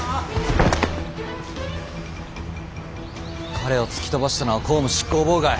彼を突き飛ばしたのは公務執行妨害。